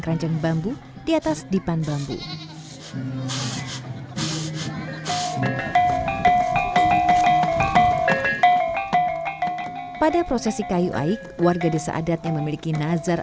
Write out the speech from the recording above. keranjang bambu di atas dipan bambu pada prosesi kayu aik warga desa adat yang memiliki nazar